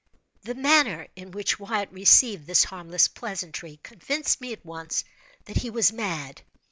The manner in which Wyatt received this harmless pleasantry convinced me, at once, that he was mad.